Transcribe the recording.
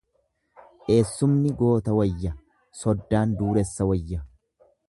Eessumni goota wayya soddaan dureessa wayya.